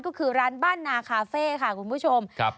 ก็คือร้านบ้านนาคาเฟ่ค่ะคุณผู้ชมครับ